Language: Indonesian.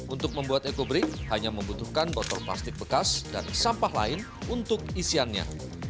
untuk membuat ekobrik hanya membutuhkan botol plastik bekas dan sampah lain untuk isiannya